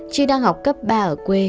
chi đang học cấp ba ở quê